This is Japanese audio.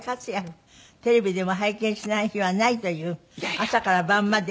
テレビでも拝見しない日はないという朝から晩まで。